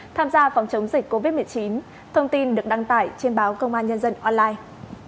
tham gia phòng chống dịch covid một mươi chín thông tin được đăng tải trên báo công an nhân dân online